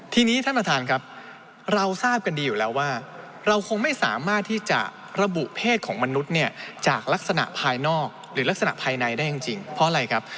ทีนี้ท่านประธานครับเราทราบกันดีอยู่แล้วว่าเราคงไม่สามารถที่จะระบุเพศของมนุษย์เนี่ยจากลักษณะภายนอกหรือลักษณะภายในได้จริงเพราะอะไรครับ